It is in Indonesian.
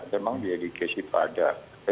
memang di edukasi pada